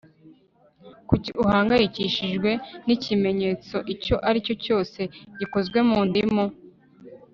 Kuki uhangayikishijwe nikimenyetso icyo aricyo cyose gikozwe mu ndimu